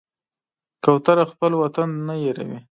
کوتره خپل وطن نه هېروي.